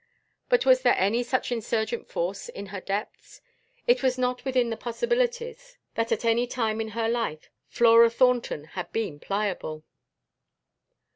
But was there any such insurgent force in her depths? It was not within the possibilities that at any time in her life Flora Thornton had been pliable.